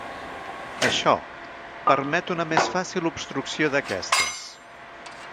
Això, permet una més fàcil obstrucció d'aquestes.